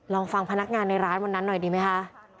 ลองฟังพนักงานในร้านวันนั้นหน่อยดีไหมคะ